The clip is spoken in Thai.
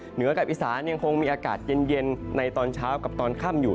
เหนือกับอีสานยังคงมีอากาศเย็นในตอนเช้ากับตอนค่ำอยู่